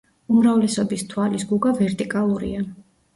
უმრავლესობის თვალის გუგა ვერტიკალურია.